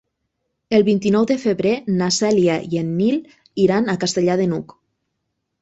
El vint-i-nou de febrer na Cèlia i en Nil iran a Castellar de n'Hug.